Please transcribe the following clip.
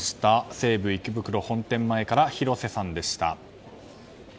西武池袋本店前、広瀬さんでした。